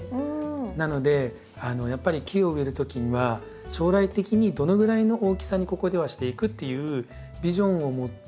なのでやっぱり木を植えるときには将来的にどのぐらいの大きさにここではしていくっていうビジョンを持って。